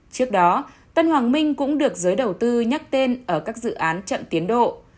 trước đó tân hoàng minh cũng được giới đầu tư nhắc tên ở các dự án chậm tiến độ